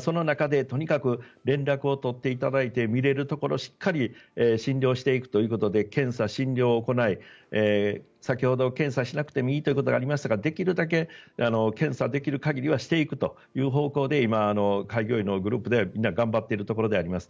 その中でとにかく連絡を取っていただいて診れるところをしっかり診療していくということで検査、診療を行い先ほど検査しなくてもいいということがありましたができるだけ検査できる限りはしていくという方向で今、開業医のグループで頑張っているところであります。